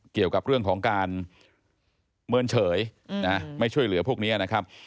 เกี่ยวกับเรื่องของการเมินเฉยไม่ช่วยเหลือพวกนี้นะครับ